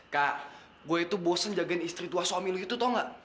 kak gue itu bosen jagain istri tua suami lo itu tau nggak